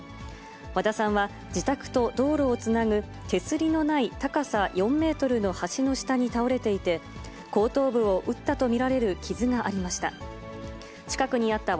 和田さんは自宅と道路をつなぐ手すりのない高さ４メートルの橋の下に倒れていて、後頭部を打ったと見られる傷がありました。